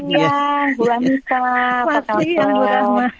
selamat siang bu rahma